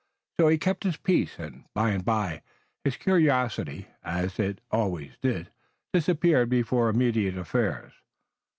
So he kept his peace and by and by his curiosity, as it always did, disappeared before immediate affairs.